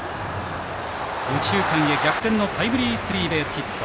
右中間へ逆転のタイムリースリーベースヒット。